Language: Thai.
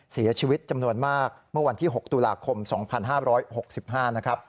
เสียชีวิตจำนวนมากเมื่อวันที่๖ตุลาคม๒๕๖๕นะครับ